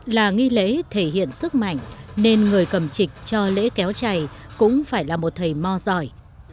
là nghi lễ thể hiện sức mạnh nên người cầm trịch cho lễ kéo chày cũng phải là một thầy mo giỏi